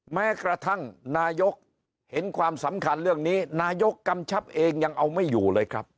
แม้กระทั่งนายกเห็นความสำคัญเรื่องนี้นายกกำชับเองยังเอาไม่อยู่เลยครับ